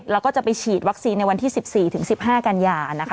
แล้วก็จะไปฉีดวัคซีนในวันที่๑๔ถึง๑๕กันยานะคะ